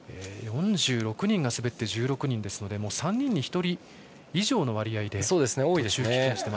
４６人が滑って１６人ですので３人に１人以上の割合で途中棄権。